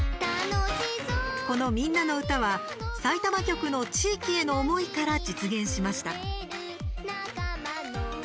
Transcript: この「みんなのうた」はさいたま局の地域への思いから実現しました。